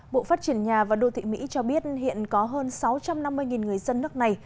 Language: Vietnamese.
bộ phát triển nhà và đô thị mỹ cho biết hiện có hơn sáu trăm năm mươi người dân nước này